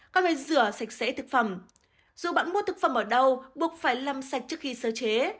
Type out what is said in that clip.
còn về rửa sạch sẽ thực phẩm dù bạn mua thực phẩm ở đâu buộc phải lâm sạch trước khi sơ chế